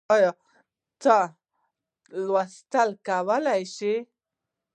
ايا ته لوستل کولی شې؟